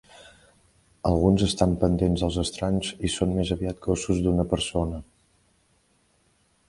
Alguns estan pendents dels estranys i són més aviat gossos d'una persona.